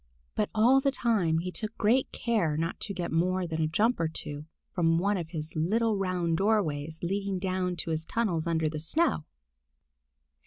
But all the time he took great care not to get more than a jump or two from one of his little round doorways leading down to his tunnels under the snow.